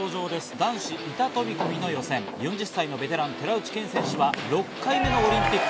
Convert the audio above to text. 男子板飛び込みの予選、４０歳のベテラン寺内健選手は６回目のオリンピック。